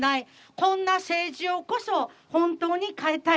こんな政治をこそ、本当に変えたい。